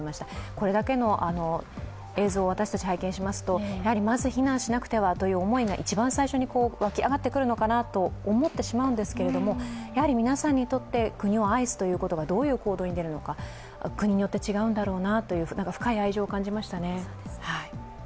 これだけの映像、私たち、拝見しますとまず避難しなくてはという思いが一番最初に湧き上がってくるのかなと思ってしまうんですけれども、やはり皆さんにとって国を愛すということがどういう行動に出るのか、国によって違うんだろうなという深い愛情を感じましたね。